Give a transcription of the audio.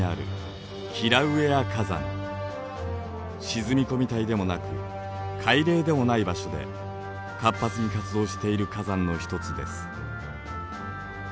沈み込み帯でもなく海嶺でもない場所で活発に活動している火山の一つです。